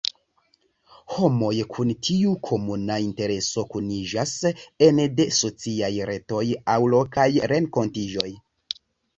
Homoj kun tiu komuna intereso kuniĝas ene de sociaj retoj aŭ lokaj renkontiĝoj.